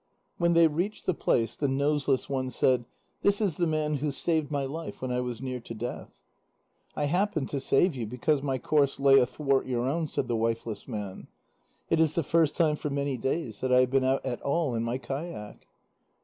When they reached the place, the Noseless One said: "This is the man who saved my life when I was near to death." "I happened to save you because my course lay athwart your own," said the wifeless man. "It is the first time for many days that I have been out at all in my kayak."